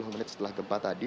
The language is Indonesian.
sepuluh menit setelah gempa tadi